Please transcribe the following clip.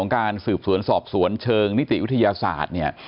การสืบสวนสอบสวนเชิงนิติวิทยาศาสตร์เนี่ย